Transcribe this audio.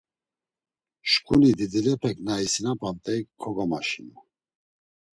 Şǩuni didvepek na isinapamt̆ey kogomaşinu.